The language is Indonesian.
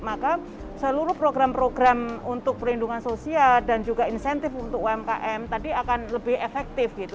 maka seluruh program program untuk perlindungan sosial dan juga insentif untuk umkm tadi akan lebih efektif gitu